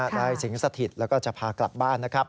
ได้สิงสถิตแล้วก็จะพากลับบ้าน